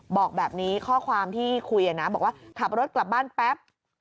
บอกแบบนี้ข้อความที่คุยนะบอกว่าขับรถกลับบ้านแป๊บ